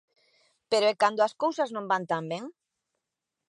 Pero e cando as cousas non van tan ben?